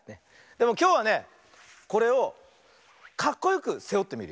でもきょうはねこれをかっこよくせおってみるよ。